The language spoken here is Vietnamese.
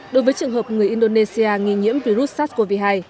đối với trường hợp người indonesia nghi nhiễm virus sars cov hai